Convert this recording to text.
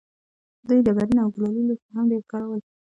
دوی ډبرین او کلالي لوښي هم ډېر کارول.